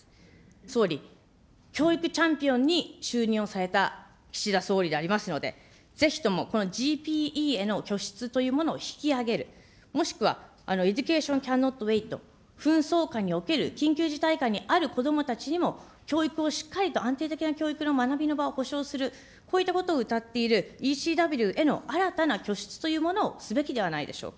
総理、教育チャンピオンに就任をされた岸田総理でありますので、ぜひともこのＧＰＥへの拠出というものを引き上げる、もしくはエデュケーション・キャン・ノット・ウェイト、紛争下における緊急事態下にある子どもたちにも教育をしっかりと安定的な教育の場の安定をほしょう、こういったことをうたっているＥＣＷへの新たな拠出というものをすべきではないでしょうか。